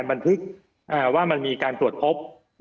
บันทึกว่ามันมีการตรวจพบ